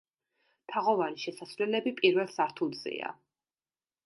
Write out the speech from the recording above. თაღოვანი შესასვლელები პირველ სართულზეა.